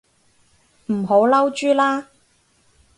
唔好嬲豬啦